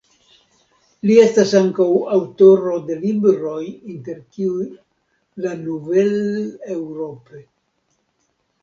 Li estas ankaŭ aŭtoro de libroj inter kiuj "La nouvelle Europe.